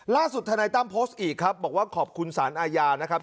ทนายตั้มโพสต์อีกครับบอกว่าขอบคุณสารอาญานะครับ